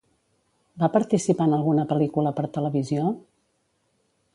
Va participar en alguna pel·licula per televisió?